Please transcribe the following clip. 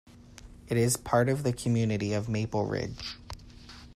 It is part of the community of Maple Ridge.